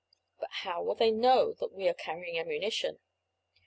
"But how will they know that we are carrying ammunition?"